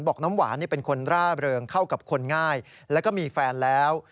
น้ำหวานเป็นคนร่าเริงเข้ากับคนง่ายแล้วก็มีแฟนแล้ว